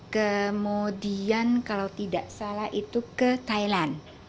kemudian kalau tidak salah itu ke thailand